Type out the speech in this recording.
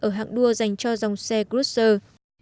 ở hạng đua dành cho dòng xe grussel